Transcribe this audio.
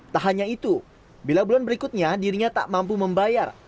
tak hanya itu bila bulan berikutnya dirinya tak mampu membayar